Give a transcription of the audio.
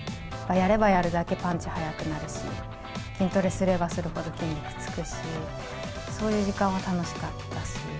やればやるだけパンチ速くなるし、筋トレすればするほど筋肉つくし、そういう時間は楽しかったし。